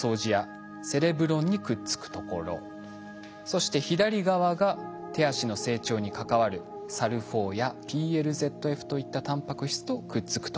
そして左側が手足の成長に関わるＳＡＬＬ４やＰＬＺＦといったタンパク質とくっつくところ。